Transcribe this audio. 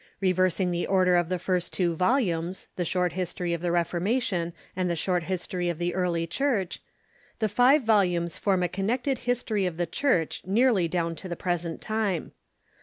Reversing the order of the first two volumes — The Short History of the Reformation and The Short History of the Early Church — the five volumes form a connected History of the Church nearly down to the present time.